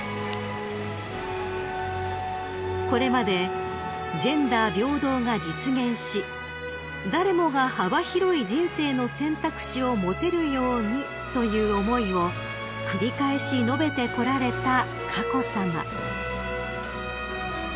［これまで「ジェンダー平等が実現し誰もが幅広い人生の選択肢を持てるように」という思いを繰り返し述べてこられた佳子さま］